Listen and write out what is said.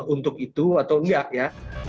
untuk itu atau enggak ya